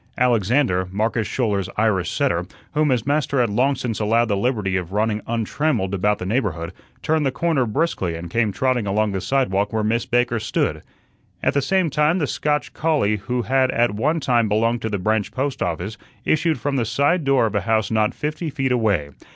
Alexander, Marcus Schouler's Irish setter, whom his master had long since allowed the liberty of running untrammelled about the neighborhood, turned the corner briskly and came trotting along the sidewalk where Miss Baker stood. At the same moment the Scotch collie who had at one time belonged to the branch post office issued from the side door of a house not fifty feet away.